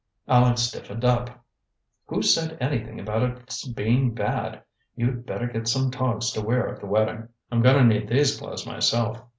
Aleck stiffened up. "Who said anything about its being bad? You'd better get some togs to wear at the wedding. I'm going to need these clothes myself."